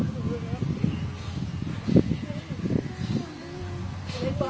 วันที่สุดท้ายเกิดขึ้นเกิดขึ้น